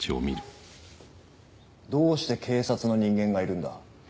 どうして警察の人間がいるんだ？